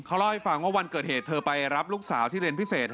เล่าให้ฟังว่าวันเกิดเหตุเธอไปรับลูกสาวที่เรียนพิเศษ